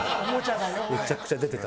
めちゃくちゃ出てた。